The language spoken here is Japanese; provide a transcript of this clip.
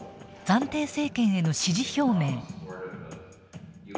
暫定政権への支持表明。